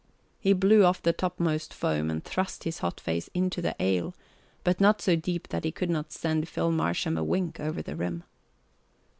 He blew off the topmost foam and thrust his hot face into the ale, but not so deep that he could not send Phil Marsham a wink over the rim.